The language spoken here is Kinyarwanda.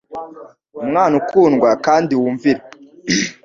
Umwana ukurudwa kandi wumvira.